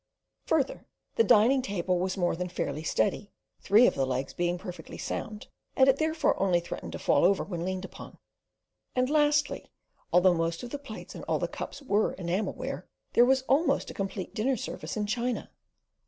Further, the dining table was more than "fairly" steady, three of the legs being perfectly sound, and it therefore only threatened to fall over when leaned upon. And lastly, although most of the plates and all the cups were enamel ware, there was almost a complete dinner service in china.